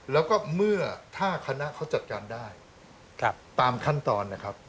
แล้วก็เมื่อถ้าคณะเขาจัดการได้ตามขั้นตอนนะครับ